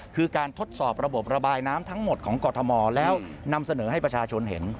คือการทดสอบระบบระบายน้ำทั้งหมดของกรทมแล้วนำเสนอให้ประชาชนเห็น